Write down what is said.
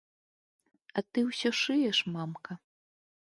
А ты ўсё шыеш, мамка?!